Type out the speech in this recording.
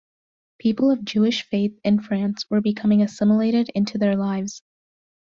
People of Jewish faith in France were becoming assimilated into their lives.